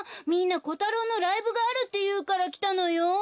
みんなコタロウのライブがあるっていうからきたのよ。